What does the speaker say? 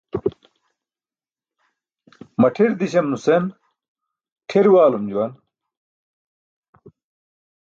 Maṭʰir dísam nusen ṭʰir waalum juwan.